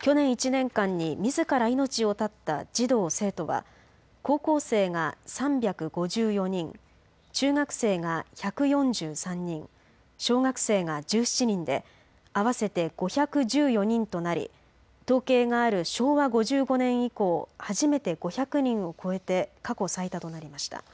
去年１年間にみずから命を絶った児童・生徒は高校生が３５４人、中学生が１４３人、小学生が１７人で、合わせて５１４人となり統計がある昭和５５年以降、初めて５００人を超えて過去最多となりました。